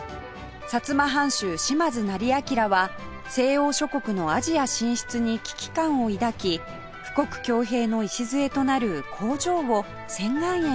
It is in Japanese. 摩藩主島津斉彬は西欧諸国のアジア進出に危機感を抱き富国強兵の礎となる工場を仙巌園に設けました